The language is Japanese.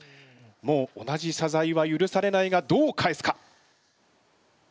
もう同じしゃざいはゆるされないがどう返すか？